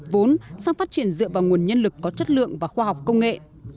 vốn sang phát triển dựa vào nguồn nhân lực có chất lượng và khoa học công nghệ